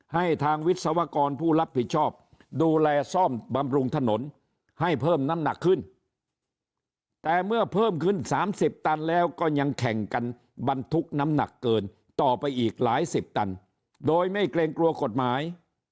ให้ทางวิศวกรผู้รับผิดชอบดูแลซ่อมบำรุงถนนให้เพิ่มน้ำหนักขึ้นแต่เมื่อเพิ่มขึ้น๓๐ตันแล้วก็ยังแข่งกันบรรทุกน้ำหนักเกินต่อไปอีกหลายสิบตันโดยไม่เกรงกลัวกฎหมาย